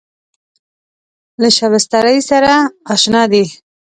له شبستري سره اشنا دی.